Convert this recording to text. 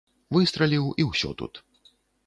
Выстраліў, і ўсё тут.